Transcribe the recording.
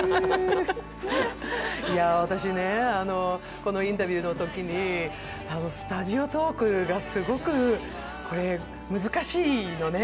このインタビューのときにスタジオトークがすごく難しいのね。